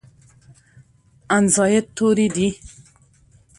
ان زاید توري دي.